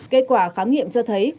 kết quả khám nghiệm cho thấy